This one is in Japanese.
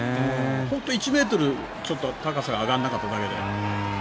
本当に１ｍちょっと高さが上がらなかっただけで。